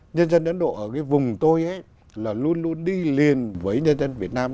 nhân dân ấn độ ở cái vùng tôi là luôn luôn đi liền với nhân dân việt nam